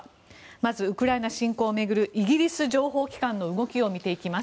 まずウクライナ侵攻を巡るイギリス情報機関の動きを見ていきます。